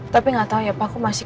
tapi gak tau ya pak aku masih